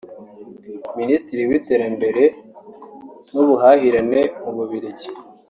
Minisitiri w’iterambere n’ubuhahirane mu Bubiligi